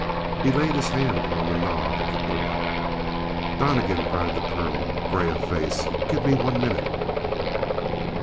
He laid his hand on the knob of the door. "Donnegan," cried the colonel, gray of face, "give me one minute."